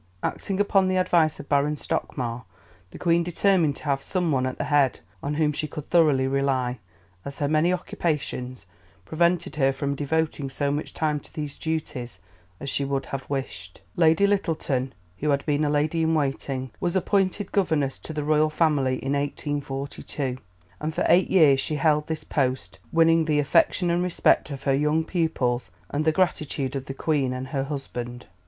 Acting upon the advice of Baron Stockmar, the Queen determined to have some one at the head on whom she could thoroughly rely, as her many occupations prevented her from devoting so much time to these duties as she could have wished. Lady Lyttelton, who had been a lady in waiting, was appointed governess to the Royal Family in 1842, and for eight years she held this post, winning the affection and respect of her young pupils and the gratitude of the Queen and her husband.